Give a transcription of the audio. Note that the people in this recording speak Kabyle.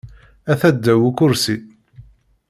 Ata ddaw ukursi.